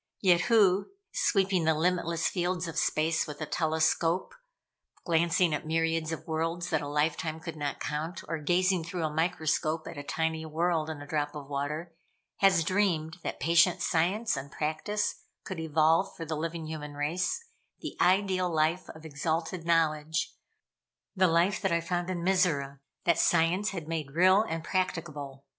Yet, who, sweeping the limitless fields of space with a telescope, glancing at myriads of worlds that a lifetime could not count, or gazing through a microscope at a tiny world in a drop of water, has dreamed that patient Science and practice could evolve for the living human race, the ideal life of exalted knowledge: the life that I found in Mizora; that Science had made real and practicable.